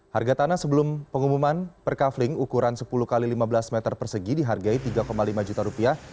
harga tanah sebelum pengumuman per kafling ukuran sepuluh x lima belas meter persegi dihargai tiga lima juta rupiah